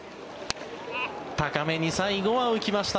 高めに最後は浮きました。